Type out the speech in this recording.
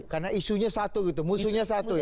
karena isunya satu gitu musuhnya satu ya